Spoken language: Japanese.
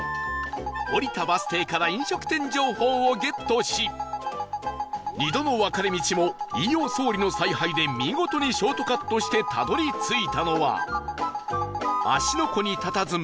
降りたバス停から飲食店情報をゲットし２度の分かれ道も飯尾総理の采配で見事にショートカットしてたどり着いたのは芦ノ湖にたたずむ